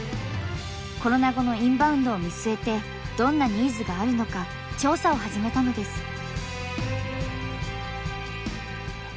コロナ後のインバウンドを見据えてどんなニーズがあるのか調査を始めたのです。